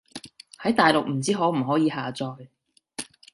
喺大陸唔知可唔可以下載